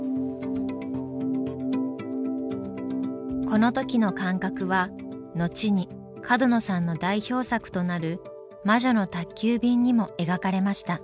この時の感覚は後に角野さんの代表作となる「魔女の宅急便」にも描かれました。